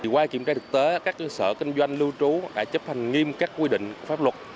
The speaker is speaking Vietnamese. qua kiểm tra thực tế các cơ sở kinh doanh lưu trú đã chấp hành nghiêm các quy định của pháp luật